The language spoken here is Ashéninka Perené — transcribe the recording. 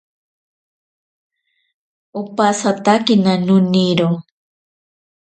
Opasatakena noniro.